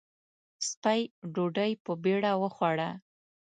سپۍ ډوډۍ په بېړه وخوړه.